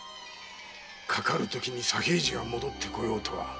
かかるときに左平次が戻ってこようとは。